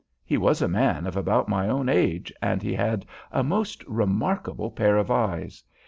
He was a man of about my own age, and he had a most remarkable pair of eyes.